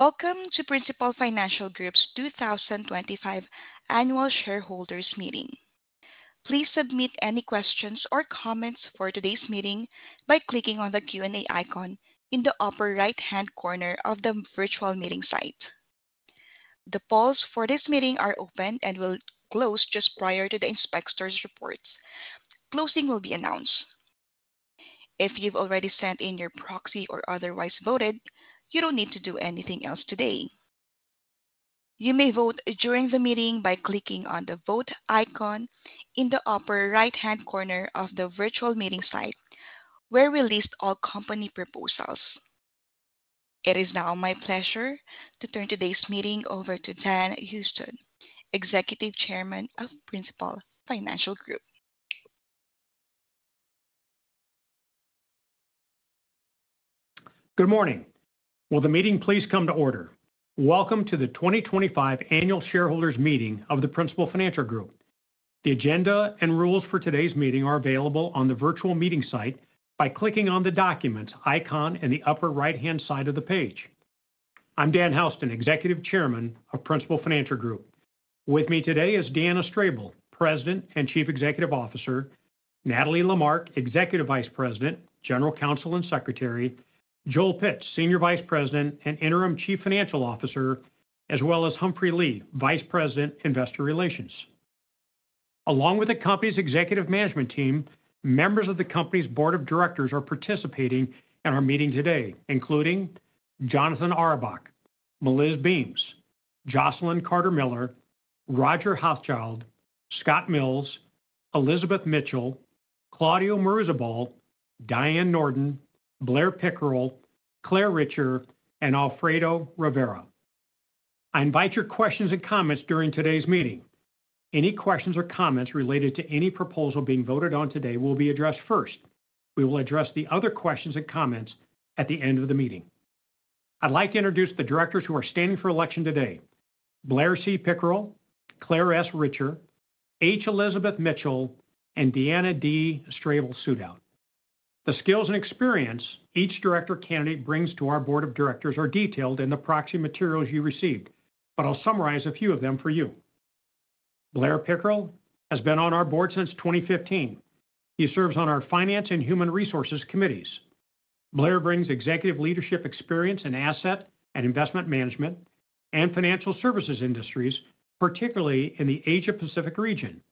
Welcome to Principal Financial Group's 2025 Annual Shareholders Meeting. Please submit any questions or comments for today's meeting by clicking on the Q&A icon in the upper right-hand corner of the virtual meeting site. The polls for this meeting are open and will close just prior to the inspector's reports. Closing will be announced. If you've already sent in your proxy or otherwise voted, you don't need to do anything else today. You may vote during the meeting by clicking on the Vote icon in the upper right-hand corner of the virtual meeting site, where we list all company proposals. It is now my pleasure to turn today's meeting over to Dan Houston, Executive Chairman of Principal Financial Group. Good morning. Will the meeting please come to order? Welcome to the 2025 Annual Shareholders Meeting of the Principal Financial Group. The agenda and rules for today's meeting are available on the virtual meeting site by clicking on the Documents icon in the upper right-hand side of the page. I'm Dan Houston, Executive Chairman of Principal Financial Group. With me today is Deanna Strable, President and Chief Executive Officer; Natalie Lamarque, Executive Vice President, General Counsel and Secretary; Joel Pitz, Senior Vice President and Interim Chief Financial Officer; as well as Humphrey Lee, Vice President, Investor Relations. Along with the company's executive management team, members of the company's board of directors are participating in our meeting today, including Jonathan Auerbach, Maliz Beams, Jocelyn Carter-Miller, Roger Hochschild, Scott Mills, Elizabeth Mitchell, Claudio Muruzabal, Diane Nordin, Blair Pickerell, Clare Richer, and Alfredo Rivera. I invite your questions and comments during today's meeting. Any questions or comments related to any proposal being voted on today will be addressed first. We will address the other questions and comments at the end of the meeting. I'd like to introduce the directors who are standing for election today: Blair C. Pickerell, Clare S. Richer, H. Elizabeth Mitchell, and Deanna D. Strable. The skills and experience each director candidate brings to our board of directors are detailed in the proxy materials you received, but I'll summarize a few of them for you. Blair Pickerell has been on our board since 2015. He serves on our Finance and Human Resources committees. Blair brings executive leadership experience in asset and investment management and financial services industries, particularly in the Asia-Pacific region.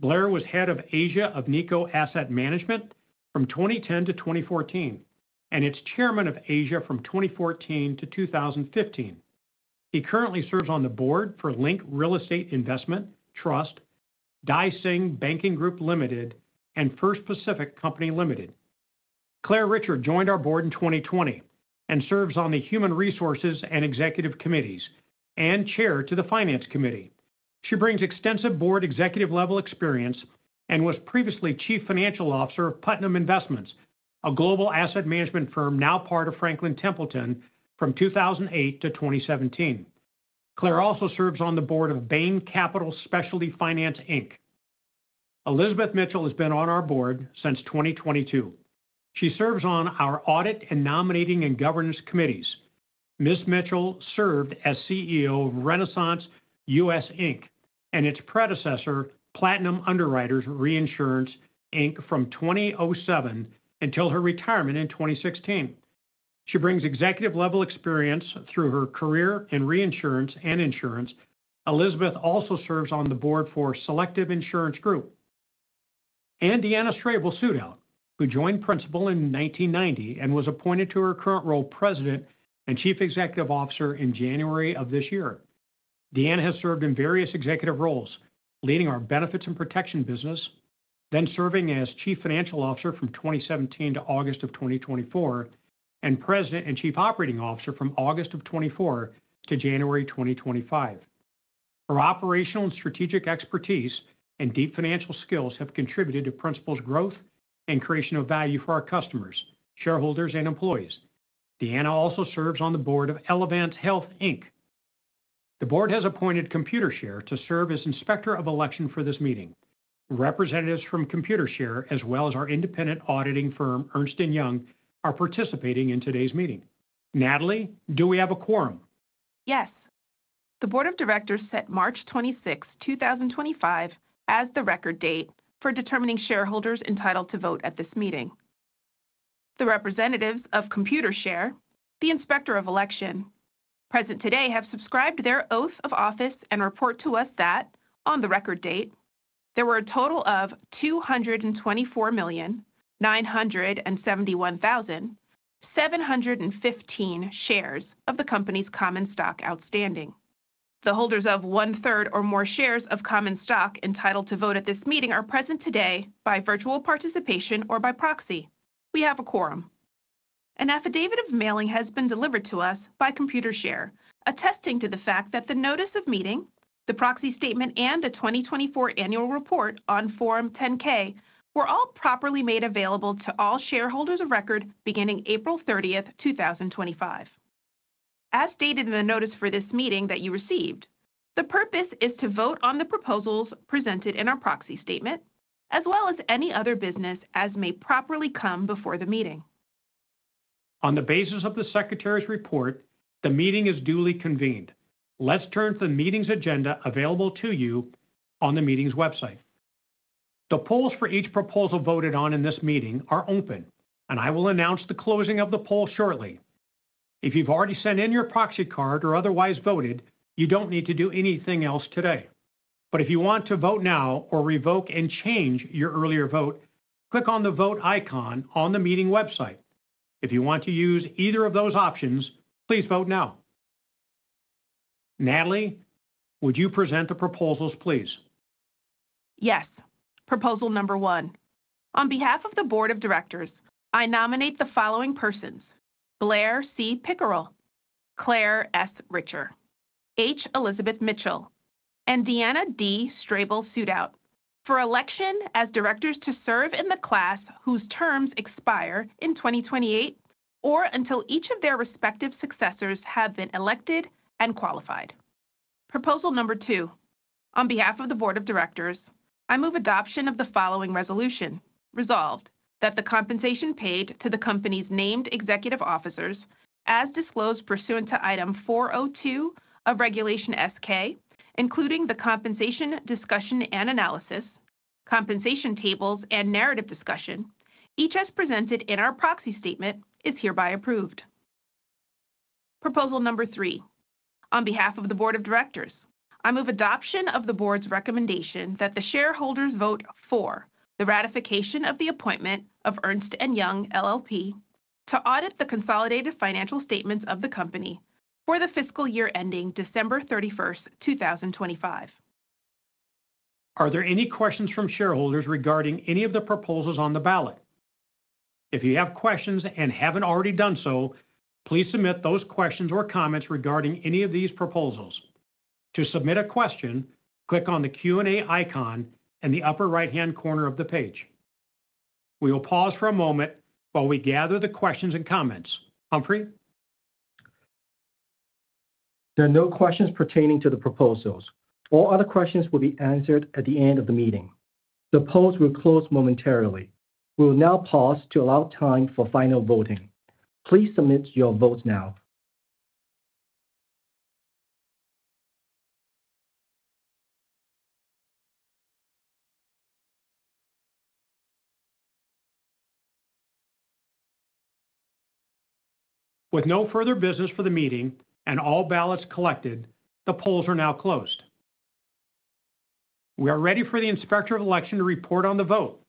Blair was head of Asia of Nikko Asset Management from 2010 to 2014 and its chairman of Asia from 2014 to 2015. He currently serves on the board for Link Real Estate Investment Trust, Dah Sing Banking Group Limited, and First Pacific Company Limited. Clare Richer joined our board in 2020 and serves on the Human Resources and Executive Committees and chair to the Finance Committee. She brings extensive board executive-level experience and was previously Chief Financial Officer of Putnam Investments, a global asset management firm now part of Franklin Templeton from 2008 to 2017. Clare also serves on the board of Bain Capital Specialty Finance, Inc. Elizabeth Mitchell has been on our board since 2022. She serves on our Audit and Nominating and Governance Committees. Ms. Mitchell served as CEO of Renaissance U.S.,Inc., and its predecessor, Platinum Underwriters Reinsurance, Inc., from 2007 until her retirement in 2016. She brings executive-level experience through her career in reinsurance and insurance. Elizabeth also serves on the board for Selective Insurance Group. Deanna Strable, who joined Principal in 1990 and was appointed to her current role President and Chief Executive Officer in January of this year. Deanna has served in various executive roles, leading our benefits and protection business, then serving as Chief Financial Officer from 2017 to August of 2024, and President and Chief Operating Officer from August of 2024 to January 2025. Her operational and strategic expertise and deep financial skills have contributed to Principal's growth and creation of value for our customers, shareholders, and employees. Deanna also serves on the board of Elevance Health, Inc. The board has appointed Computershare to serve as Inspector of Election for this meeting. Representatives from Computershare, as well as our independent auditing firm, Ernst & Young, are participating in today's meeting. Natalie, do we have a quorum? Yes. The board of directors set March 26, 2025, as the record date for determining shareholders entitled to vote at this meeting. The representatives of Computershare, the Inspector of Election, present today have subscribed their oath of office and report to us that, on the record date, there were a total of 224,971,715 shares of the company's common stock outstanding. The holders of one-third or more shares of common stock entitled to vote at this meeting are present today by virtual participation or by proxy. We have a quorum. An affidavit of mailing has been delivered to us by Computershare, attesting to the fact that the notice of meeting, the proxy statement, and a 2024 annual report on Form 10-K were all properly made available to all shareholders of record beginning April 30th, 2025. As stated in the notice for this meeting that you received, the purpose is to vote on the proposals presented in our proxy statement, as well as any other business as may properly come before the meeting. On the basis of the secretary's report, the meeting is duly convened. Let's turn to the meeting's agenda available to you on the meeting's website. The polls for each proposal voted on in this meeting are open, and I will announce the closing of the poll shortly. If you've already sent in your proxy card or otherwise voted, you don't need to do anything else today. If you want to vote now or revoke and change your earlier vote, click on the Vote icon on the meeting website. If you want to use either of those options, please vote now. Natalie, would you present the proposals, please? Yes. Proposal number one. On behalf of the board of directors, I nominate the following persons: Blair C. Pickerell, Clare S. Richer, H. Elizabeth Mitchell, and Deanna D. Strable for election as directors to serve in the class whose terms expire in 2028 or until each of their respective successors have been elected and qualified. Proposal number two. On behalf of the board of directors, I move adoption of the following resolution. Resolved that the compensation paid to the company's named executive officers, as disclosed pursuant to item 402 of Regulation S-K, including the compensation discussion and analysis, compensation tables, and narrative discussion, each as presented in our proxy statement, is hereby approved. Proposal number three. On behalf of the board of directors, I move adoption of the board's recommendation that the shareholders vote for the ratification of the appointment of Ernst & Young LLP to audit the consolidated financial statements of the company for the fiscal year ending December 31st, 2025. Are there any questions from shareholders regarding any of the proposals on the ballot? If you have questions and have not already done so, please submit those questions or comments regarding any of these proposals. To submit a question, click on the Q&A icon in the upper right-hand corner of the page. We will pause for a moment while we gather the questions and comments. Humphrey? There are no questions pertaining to the proposals. All other questions will be answered at the end of the meeting. The polls will close momentarily. We will now pause to allow time for final voting. Please submit your votes now. With no further business for the meeting and all ballots collected, the polls are now closed. We are ready for the inspector of election to report on the vote.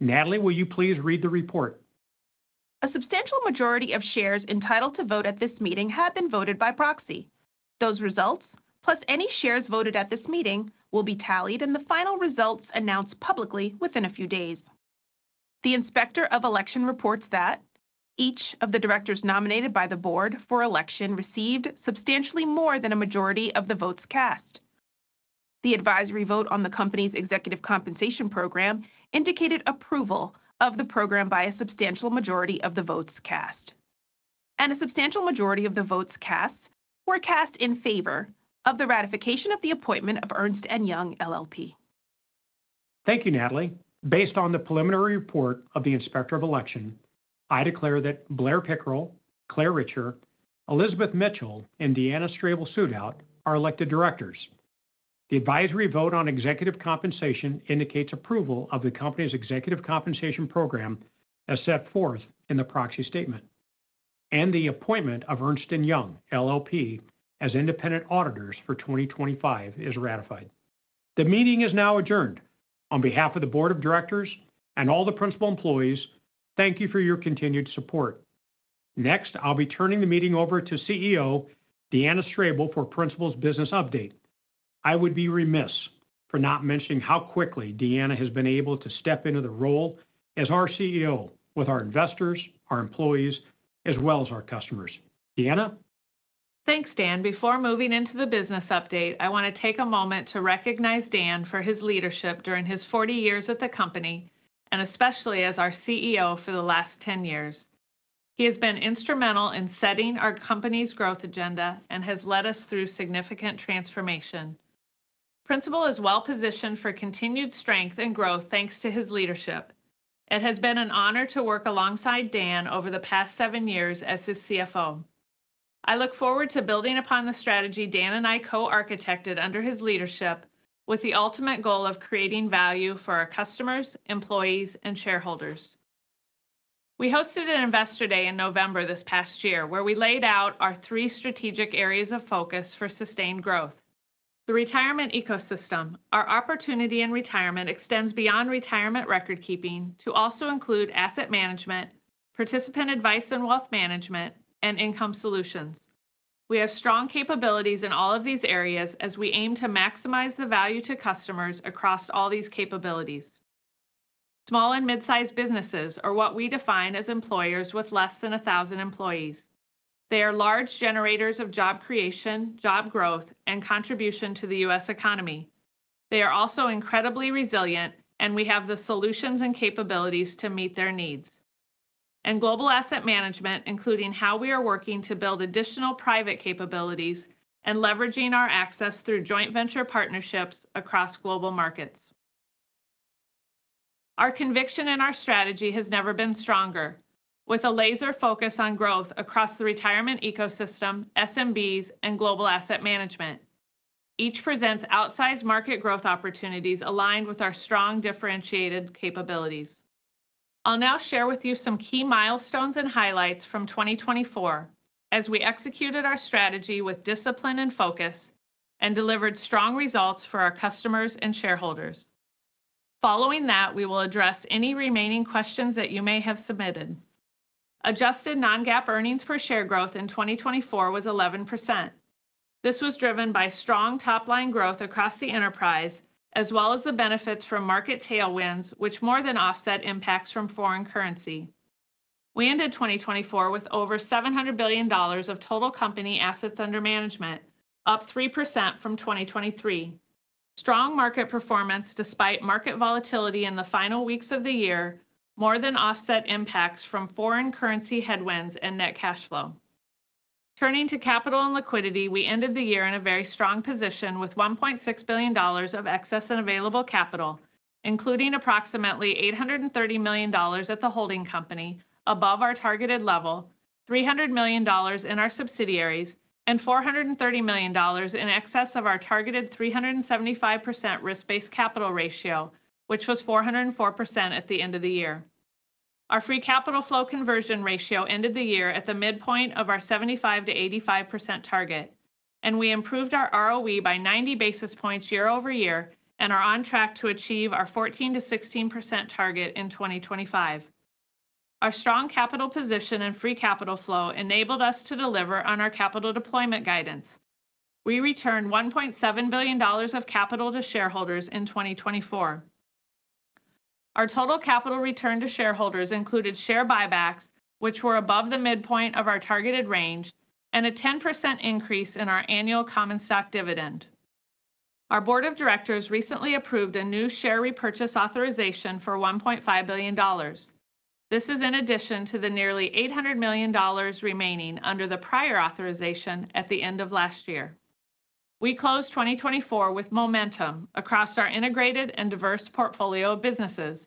Natalie, will you please read the report? A substantial majority of shares entitled to vote at this meeting have been voted by proxy. Those results, plus any shares voted at this meeting, will be tallied in the final results announced publicly within a few days. The inspector of election reports that each of the directors nominated by the board for election received substantially more than a majority of the votes cast. The advisory vote on the company's executive compensation program indicated approval of the program by a substantial majority of the votes cast. A substantial majority of the votes cast were cast in favor of the ratification of the appointment of Ernst & Young LLP. Thank you, Natalie. Based on the preliminary report of the inspector of election, I declare that Blair Pickerell, Clare Richer, Elizabeth Mitchell, and Deanna Strable are elected directors. The advisory vote on executive compensation indicates approval of the company's executive compensation program as set forth in the proxy statement. The appointment of Ernst & Young LLP as independent auditors for 2025 is ratified. The meeting is now adjourned. On behalf of the board of directors and all the Principal employees, thank you for your continued support. Next, I'll be turning the meeting over to CEO Deanna Strable for Principal's business update. I would be remiss for not mentioning how quickly Deanna has been able to step into the role as our CEO with our investors, our employees, as well as our customers. Deanna? Thanks, Dan. Before moving into the business update, I want to take a moment to recognize Dan for his leadership during his 40 years at the company and especially as our CEO for the last 10 years. He has been instrumental in setting our company's growth agenda and has led us through significant transformation. Principal is well-positioned for continued strength and growth thanks to his leadership. It has been an honor to work alongside Dan over the past seven years as his CFO. I look forward to building upon the strategy Dan and I co-architected under his leadership with the ultimate goal of creating value for our customers, employees, and shareholders. We hosted an Investor Day in November this past year where we laid out our three strategic areas of focus for sustained growth. The retirement ecosystem, our opportunity in retirement extends beyond retirement record keeping to also include asset management, participant advice and wealth management, and income solutions. We have strong capabilities in all of these areas as we aim to maximize the value to customers across all these capabilities. Small and mid-sized businesses are what we define as employers with fewer than 1,000 employees. They are large generators of job creation, job growth, and contribution to the U.S. economy. They are also incredibly resilient, and we have the solutions and capabilities to meet their needs. Global asset management, including how we are working to build additional private capabilities and leveraging our access through joint venture partnerships across global markets. Our conviction and our strategy has never been stronger, with a laser focus on growth across the retirement ecosystem, SMBs, and global asset management. Each presents outsized market growth opportunities aligned with our strong differentiated capabilities. I'll now share with you some key milestones and highlights from 2024 as we executed our strategy with discipline and focus and delivered strong results for our customers and shareholders. Following that, we will address any remaining questions that you may have submitted. Adjusted non-GAAP earnings per share growth in 2024 was 11%. This was driven by strong top-line growth across the enterprise, as well as the benefits from market tailwinds, which more than offset impacts from foreign currency. We ended 2024 with over $700 billion of total company assets under management, up 3% from 2023. Strong market performance despite market volatility in the final weeks of the year more than offset impacts from foreign currency headwinds and net cash flow. Turning to capital and liquidity, we ended the year in a very strong position with $1.6 billion of excess and available capital, including approximately $830 million at the holding company, above our targeted level, $300 million in our subsidiaries, and $430 million in excess of our targeted 375% risk-based capital ratio, which was 404% at the end of the year. Our free capital flow conversion ratio ended the year at the midpoint of our 75%-85% target, and we improved our ROE by 90 basis points year over year and are on track to achieve our 14%-16% target in 2025. Our strong capital position and free capital flow enabled us to deliver on our capital deployment guidance. We returned $1.7 billion of capital to shareholders in 2024. Our total capital return to shareholders included share buybacks, which were above the midpoint of our targeted range, and a 10% increase in our annual common stock dividend. Our board of directors recently approved a new share repurchase authorization for $1.5 billion. This is in addition to the nearly $800 million remaining under the prior authorization at the end of last year. We closed 2024 with momentum across our integrated and diverse portfolio of businesses.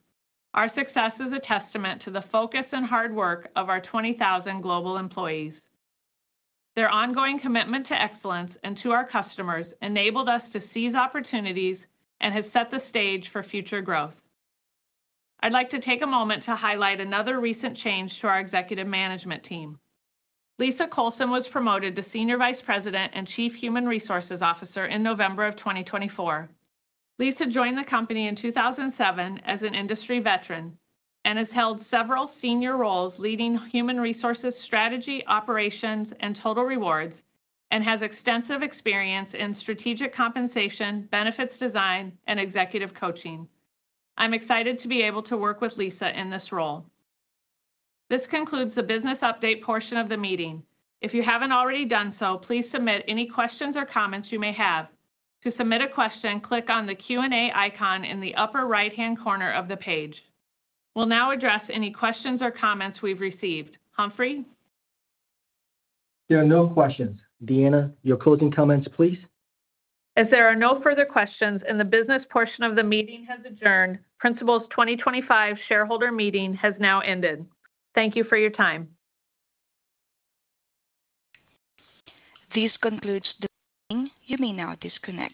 Our success is a testament to the focus and hard work of our 20,000 global employees. Their ongoing commitment to excellence and to our customers enabled us to seize opportunities and has set the stage for future growth. I'd like to take a moment to highlight another recent change to our executive management team. Lisa Coulson was promoted to Senior Vice President and Chief Human Resources Officer in November of 2024. Lisa joined the company in 2007 as an industry veteran and has held several senior roles leading human resources strategy, operations, and total rewards, and has extensive experience in strategic compensation, benefits design, and executive coaching. I'm excited to be able to work with Lisa in this role. This concludes the business update portion of the meeting. If you haven't already done so, please submit any questions or comments you may have. To submit a question, click on the Q&A icon in the upper right-hand corner of the page. We'll now address any questions or comments we've received. Humphrey? There are no questions. Deanna, your closing comments, please. As there are no further questions and the business portion of the meeting has adjourned, Principal's 2025 shareholder meeting has now ended. Thank you for your time. This concludes the meeting. You may now disconnect.